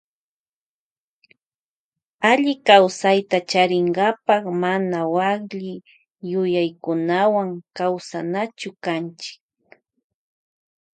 Allikawsayta charinkapa mana wakli yuyaykunawan kawsanachu kanchi.